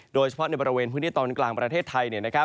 โดยเฉพาะในบริเวณพื้นที่ตอนกลางประเทศไทย